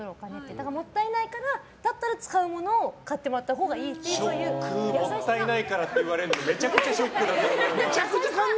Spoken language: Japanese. だからもったいないから使うものを買ってもらったほうがもったいないからって言われるのめちゃくちゃショックだと思う。